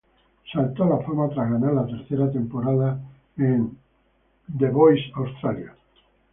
Saltó a la fama tras ganar la tercera temporada de The Voice Australia.